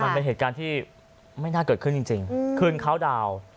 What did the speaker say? มันเป็นเหตุการณ์ที่ไม่น่าเกิดขึ้นจริงคืนเขาดาวน์